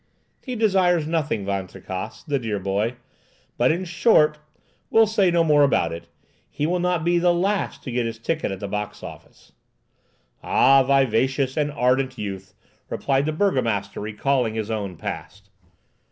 "He desires nothing, Van Tricasse, the dear boy! But, in short— we'll say no more about it—he will not be the last to get his ticket at the box office." "Ah, vivacious and ardent youth!" replied the burgomaster, recalling his own past.